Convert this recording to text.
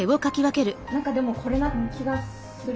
何かでもこれな気がする。